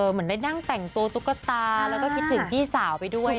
เหมือนได้นั่งแต่งตัวตุ๊กตาแล้วก็คิดถึงพี่สาวไปด้วย